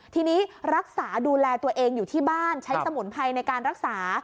ทีนี้รักษาดูแลตัวเองอยู่ที่บ้านใช้สมุนไพรในการรักษา